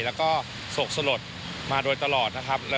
แล้วก็โศกสลดมาโดยตลอดนะครับ